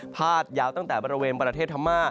พาดยาวตั้งแต่บริเวณประเทศพม่า